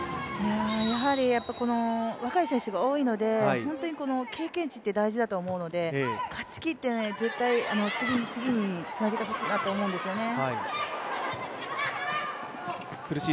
やはり若い選手が多いので経験値って大事だと思うので勝ちきって絶対次につなげてほしいなと思うんですよね。